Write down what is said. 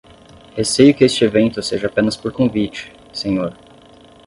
Receio que este evento seja apenas por convite, senhor.